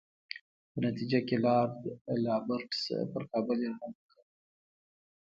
په نتیجه کې لارډ رابرټس پر کابل یرغل وکړ.